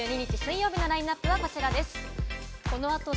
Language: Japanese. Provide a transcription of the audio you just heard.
６月２２日、木曜日のラインナップはこちらです。